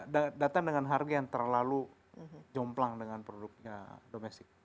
datang dengan harga yang terlalu jomplang dengan produknya domestik